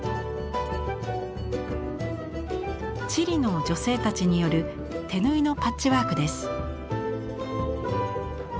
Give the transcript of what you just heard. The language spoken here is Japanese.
チリの女性たちによる手縫いのパッチワークです。